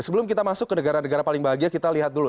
sebelum kita masuk ke negara negara paling bahagia kita lihat dulu